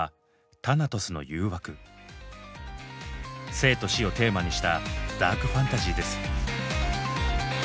生と死をテーマにしたダークファンタジーです。